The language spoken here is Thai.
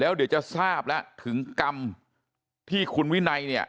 เดี๋ยวจะทราบแล้วถึงกรรมที่คุณวินัยเนี่ย